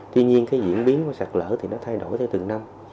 tuy nhiên cái diễn biến của sạt lở thì nó thay đổi theo từng năm